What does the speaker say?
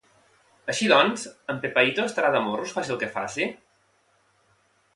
Així doncs, en Pepaito estarà de morros faci el que faci?